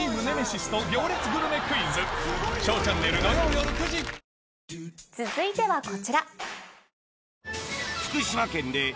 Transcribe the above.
さらに続いてはこちら。